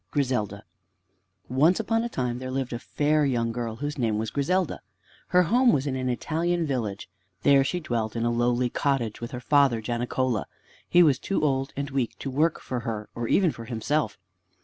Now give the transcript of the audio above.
III GRISELDA Once upon a time there lived a fair young girl whose name was Griselda. Her home was in an Italian village. There she dwelt in a lowly cottage with her father, Janicola. He was too old and weak to work for her, or even for himself.